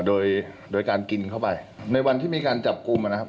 โดยโดยการกินเข้าไปในวันที่มีการจับกลุ่มนะครับ